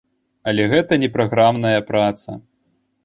Але гэта не праграмная праца.